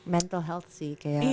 mental health sih kayak